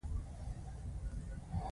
د رومي واکمنۍ ړنګېدو هنګامه خپره کړه.